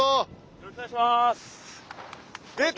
よろしくお願いします。